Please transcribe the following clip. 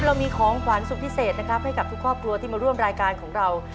เรามีของขวัญสุดพิเศษนะครับให้กับทุกครอบครัวที่มาร่วมรายการของเรา